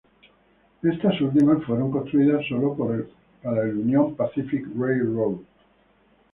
Estas últimas fueron construidas sólo para el Union Pacific Railroad.